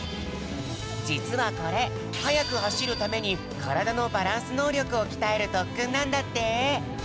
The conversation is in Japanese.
じつはこれはやくはしるためにからだのバランスのうりょくをきたえるとっくんなんだって！